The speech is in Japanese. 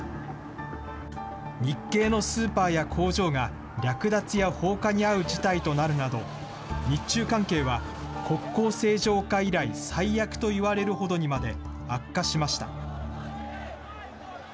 日系のスーパーや工場が略奪や放火に遭う事態となるなど、日中関係は国交正常化以来、最悪といわれるほどにまで悪化しました。